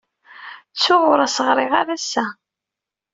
Ttuɣ ur as-ɣriɣ ara ass-a.